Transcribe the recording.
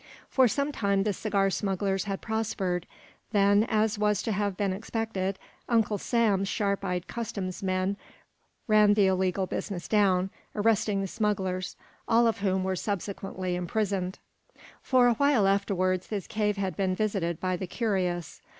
For some time the cigar smugglers had prospered. Then, as was to have been expected, Uncle Sam's sharp eyed customs men ran the illegal business down, arresting the smugglers, all of whom were subsequently imprisoned. For a while afterwards this cave had been visited by the curious.